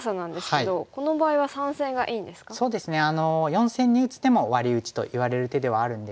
４線に打つ手もワリ打ちといわれる手ではあるんですが。